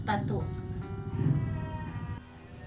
empat jam mau sekolah